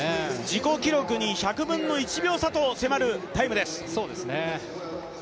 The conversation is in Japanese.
自己記録に１００分の１秒差と迫るタイムです。